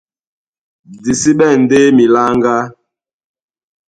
Di sí ɓɛ̂n ndé miláŋgá,